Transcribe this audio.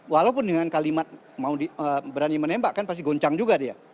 walaupun dengan kalimat berani menembak kan pasti goncang juga dia